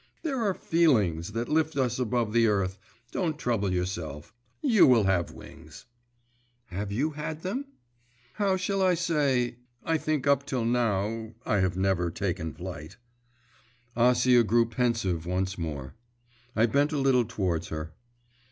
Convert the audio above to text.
There are feelings that lift us above the earth. Don't trouble yourself, you will have wings.' 'Have you had them?' 'How shall I say … I think up till now I never have taken flight.' Acia grew pensive once more. I bent a little towards her.